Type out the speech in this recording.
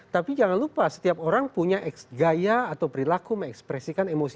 tapi jangan lupa setiap orang punya gaya atau perilaku mengekspresikan emosi